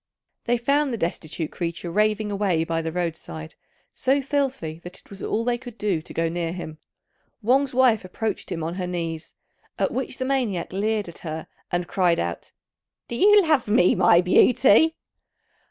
They found the destitute creature raving away by the road side, so filthy that it was all they could do to go near him. Wang's wife approached him on her knees; at which the maniac leered at her, and cried out, "Do you love me, my beauty?"